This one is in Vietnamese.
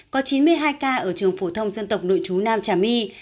có chín mươi hai ca ở trường phổ thông dân tộc nội chú nam trà my